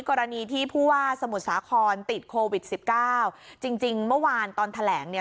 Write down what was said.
กรณีที่ผู้ว่าสมุทรสาครติดโควิดสิบเก้าจริงจริงเมื่อวานตอนแถลงเนี่ย